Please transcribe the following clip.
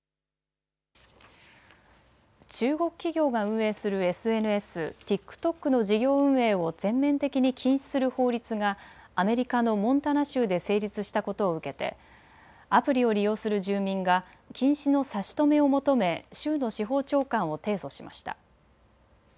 中国企業が運営するＳＮＳ、ＴｉｋＴｏｋの事業運営を全面的に禁止する法律がアメリカのモンタナ州で成立したことを受けてアプリを利用する住民が禁止の差し止めを求め州の司法長官を提訴しました。